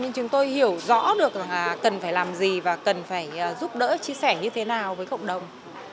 nhưng chúng tôi hiểu rõ được cần phải làm gì và cần phải giúp đỡ chia sẻ như thế nào với cộng đồng